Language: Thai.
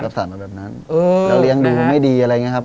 สารมาแบบนั้นแล้วเลี้ยงดูไม่ดีอะไรอย่างนี้ครับ